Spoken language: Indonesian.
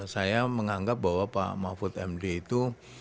saya menganggap bahwa pak mahfud md itu